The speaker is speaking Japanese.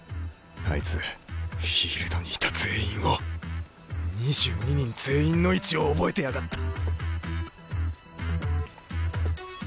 あいつフィールドにいた全員を２２人全員の位置を覚えてやがった！